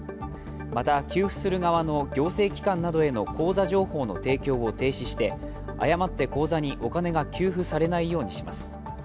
また、給付する側の行政機関などへの口座情報の提供を停止して誤って口座にお金が給付されないようにします。